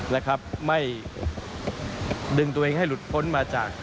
นะครับไม่ดึงตัวเองให้หลุดพ้นมาจาก